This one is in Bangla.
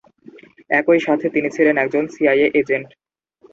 একই সাথে তিনি ছিলেন একজন সিআইএ এজেন্ট।